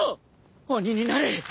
鬼になれ！